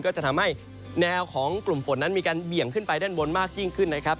ก็จะทำให้แนวของกลุ่มฝนนั้นมีการเบี่ยงขึ้นไปด้านบนมากยิ่งขึ้นนะครับ